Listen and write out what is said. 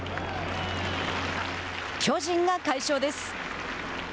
巨人が快勝です。